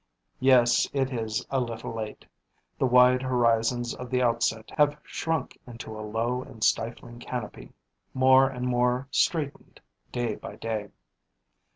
Yes, it is a little late: the wide horizons of the outset have shrunk into a low and stifling canopy, more and more straitened day by day.